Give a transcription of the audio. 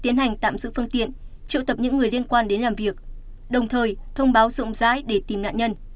tiến hành tạm giữ phương tiện triệu tập những người liên quan đến làm việc đồng thời thông báo rộng rãi để tìm nạn nhân